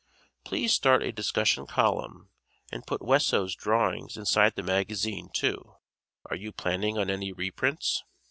Please start a discussion column and put Wesso's drawings inside the magazine, too. Are you planning on any reprints?